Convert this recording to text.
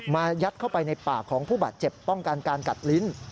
ยัดเข้าไปในปากของผู้บาดเจ็บป้องกันการกัดลิ้น